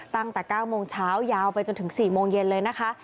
ตั้งแต่๙โมงเช้ายาวไปจนถึง๔โมงเย็นเลยนะคะ